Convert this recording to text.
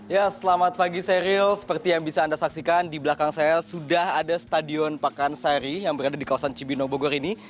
ya selamat pagi seril seperti yang bisa anda saksikan di belakang saya sudah ada stadion pakansari yang berada di kawasan cibino bogor ini